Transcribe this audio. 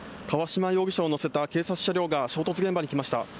川島容疑者を乗せた警察車両が衝突現場に来ました。